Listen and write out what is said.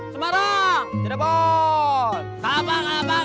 semarang semarang semarang